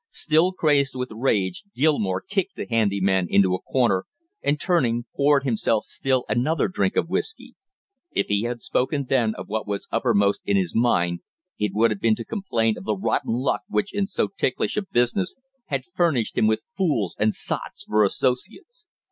Still crazed with rage, Gilmore kicked the handy man into a corner, and turning poured himself still another drink of whisky. If he had spoken then of what was uppermost in his mind, it would have been to complain of the rotten luck which in so ticklish a business had furnished him with fools and sots for associates.